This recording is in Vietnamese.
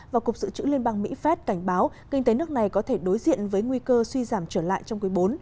và cục dự trữ liên bang mỹ phép cảnh báo kinh tế nước này có thể đối diện với nguy cơ suy giảm trở lại trong quý bốn